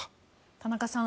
田中さん